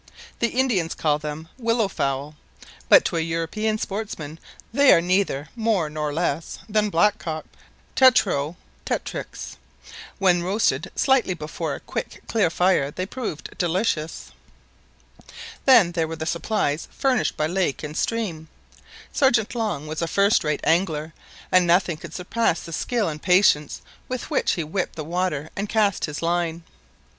The Indians call them willow fowl; but to a European sportsman they are neither more nor less than blackcock (Tetrao tetrix). When roasted slightly before a quick clear fire they proved delicious. Then there were the supplies furnished by lake and stream. Sergeant Long was a first rate angler, and nothing could surpass the skill and patience with which he whipped the water and cast his line.